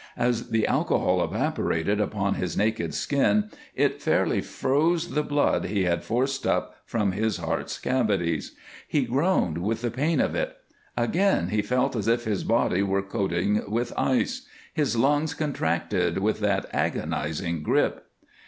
As the alcohol evaporated upon his naked skin it fairly froze the blood he had forced up from his heart's cavities. He groaned with the pain of it. Again he felt as if his body were coating with ice; his lungs contracted with that agonizing grip.